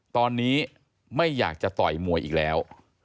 ตอนนี้ไม่อยากจะต่อยมวยอีกแล้ว